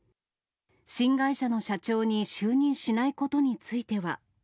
新会社の社長に就任しないことについては。